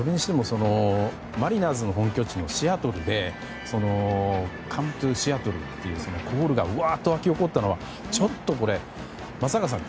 マリナーズの本拠地のシアトルで「カム・トゥ・シアトル」というコールが沸き起こったのは松坂さん